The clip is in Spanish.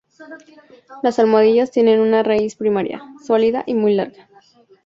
Las almohadillas tienen una raíz primaria, sólida, y muy larga.